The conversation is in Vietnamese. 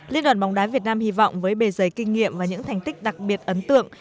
liên đoàn bóng đá việt nam hy vọng với bề giấy kinh nghiệm và những thành tích đặc biệt ấn tượng